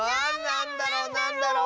なんだろ？